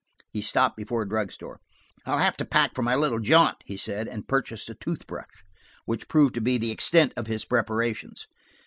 He stopped before a drug store. "I'll have to pack for my little jaunt," he said, and purchased a tooth brush, which proved to be the extent of his preparations.